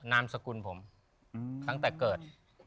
นามสกุลผมตั้งแต่เกิด